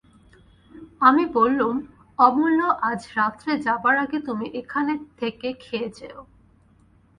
আমি বললুম, অমূল্য, আজ রাত্রে যাবার আগে তুমি এখান থেকে খেয়ে যেয়ো।